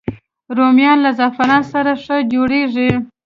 رومیان له زعفرانو سره ښه جوړېږي